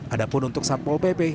ada pun untuk satpol pp